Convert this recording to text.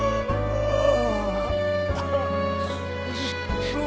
ああ。